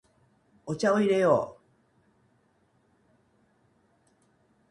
お茶を入れよう。